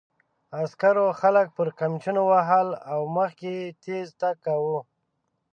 عسکرو خلک پر قمچینو وهل او مخکې یې تېز تګ کاوه.